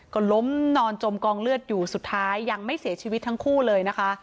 ก็ล้มนอนจมกองเลือดอยู่สุดท้ายยังไม่เสียชีวิตทั้งคู่เลยนะคะ